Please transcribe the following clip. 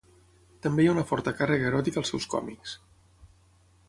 També hi ha una forta càrrega eròtica als seus còmics.